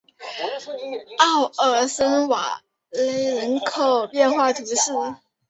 奥尔森瓦勒人口变化图示